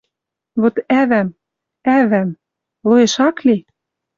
Вот ӓвӓм, ӓвӓм... Лоэш ак ли?» —